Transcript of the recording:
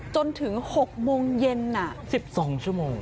จนถึง๖โมงเย็น๑๒ชั่วโมง